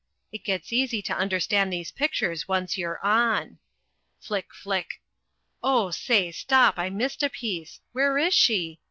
It gets easy to understand these pictures once you're on. Flick, flick Oh, say, stop! I missed a piece where is she?